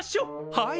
はい！